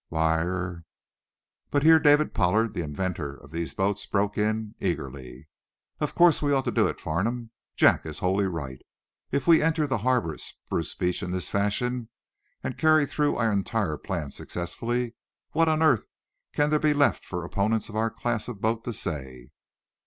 "Why, er " But here David Pollard, the inventor of these boats broke in, eagerly: "Of course we ought to do it, Farnum. Jack is wholly right. If we enter the harbor at Spruce Beach in this fashion, and carry through our entire plan successfully, what on earth can there be left for opponents of our class of boats to say?"